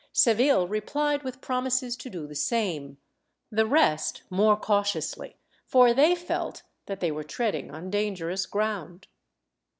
Seville replied with promises to do the same; the rest more cautiously, for they felt that they were treading on dangerous ground.